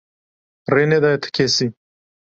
Rê nedaye ti kesî.